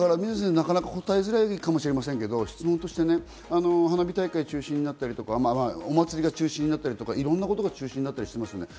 答えづらいかもしれませんけど質問として花火大会が中止になったり、お祭りが中止になったり、いろんなことが中止になってます。